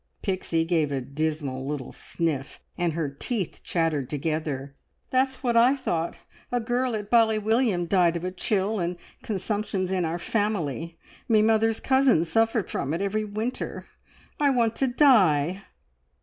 Pixie gave a dismal little sniff, and her teeth chattered together. "That's what I thought. A girl at Bally William died of a chill, and consumption's in our family. Me mother's cousin suffered from it every winter. I want to die!"